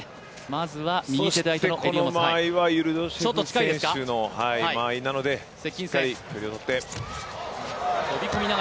この間合いはユルドシェフ選手の間合いなので、しっかり距離をとって。